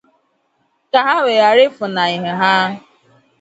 ka ha we ghara ifunàhị ha.